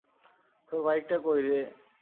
তোর বাইকটা কই রে?